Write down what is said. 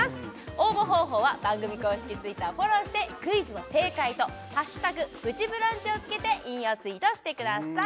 応募方法は番組公式Ｔｗｉｔｔｅｒをフォローしてクイズの正解と「＃プチブランチ」をつけて引用ツイートしてください